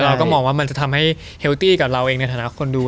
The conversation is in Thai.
เราก็มองว่ามันจะทำให้เฮลตี้กับเราเองในฐานะคนดู